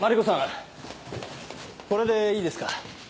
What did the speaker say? これでいいですか？